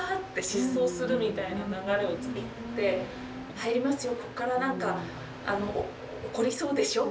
入りますよ